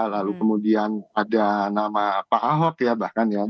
lalu kemudian ada nama pak ahok ya bahkan ya